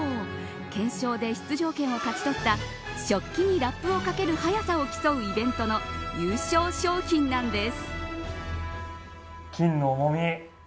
懸賞で出場権を勝ち取った食器にラップをかける速さを競うイベントの優勝商品なんです。